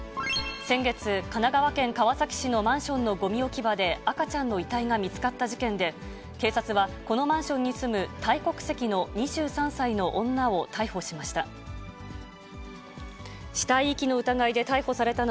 先月、神奈川県川崎市のマンションのごみ置き場で赤ちゃんの遺体が見つかった事件で、警察は、このマンションに住むタイ国籍の２３歳の女を逮捕しました。